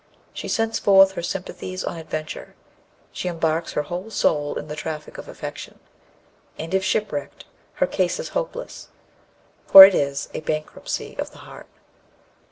She sends forth her sympathies on adventure; she embarks her whole soul in the traffic of affection; and, if shipwrecked, her case is hopeless, for it is a bankruptcy of the heart."